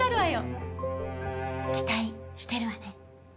期待してるわね。